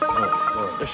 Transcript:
よし。